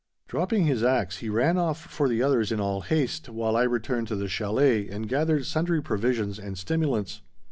Dropping his axe, he ran off for the others in all haste, while I returned to the chalet and gathered sundry provisions and stimulants.